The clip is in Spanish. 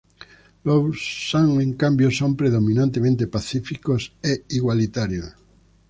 Los San, en cambio, son predominantemente pacíficos e igualitarios.